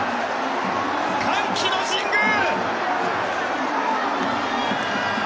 歓喜の神宮！